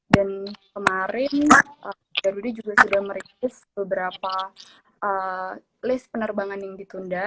dan kemarin darude juga sudah merikis beberapa list penerbangan yang ditunda